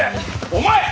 お前！